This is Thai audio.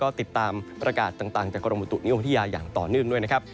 ก็ติดตามประกาศต่างจากกรมบุตุนิยมวิทยาอย่างต่อเนื่องด้วยนะครับ